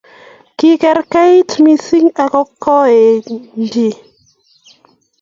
kikerkeit mising ak kokoenyin